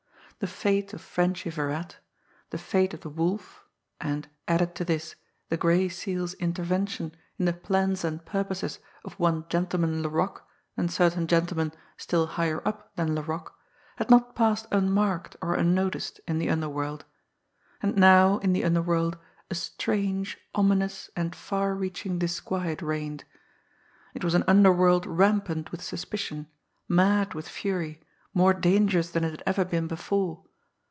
The fate of Frenchy Virat, the fate of the Wolf, and, added to this, the Gray Seal's intervention in the plans and purposes of one Gentleman Laroque and certain gentlemen still higher up than Laroque, had not passed unmarked or unnoticed in the underworld. And now in the underworld a strange, ominous and far reaching disquiet reigned. It was an underworld rampant with suspicion, mad with fury, more dangerous than it had ever been before.